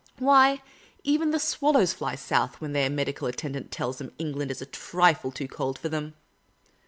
Wh}', even the swallows fly south when their medical attendant tells them England is turning a trifle too cold for them."